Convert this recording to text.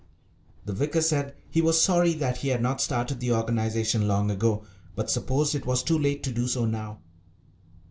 The vicar said he was sorry that he had not started the organisation long ago, but supposed it was too late to do so now.